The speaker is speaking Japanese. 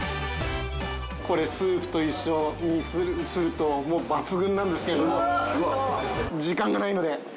これスープと一緒にするともう抜群なんですけれども。